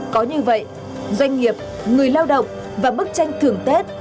có như vậy doanh nghiệp người lao động và bức tranh thường tết